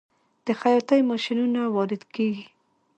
د خیاطۍ ماشینونه وارد کیږي؟